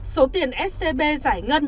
số tiền scb giải ngân